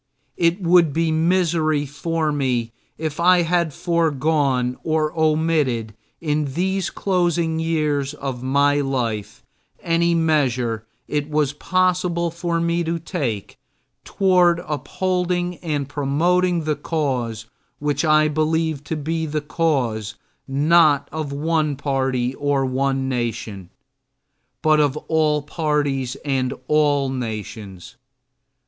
It would be misery for me if I had foregone or omitted in these closing years of my life any measure it was possible for me to take toward upholding and promoting the cause which I believe to be the cause not of one party or one nation but of all parties and all nations.